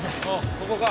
ここか？